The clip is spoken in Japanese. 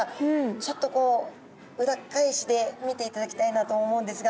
ちょっとこう裏っ返しで見ていただきたいなと思うんですが。